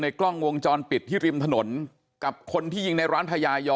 กล้องวงจรปิดที่ริมถนนกับคนที่ยิงในร้านพญายอ